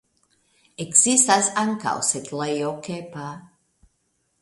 Ekzistas ankaŭ setlejo Kepa.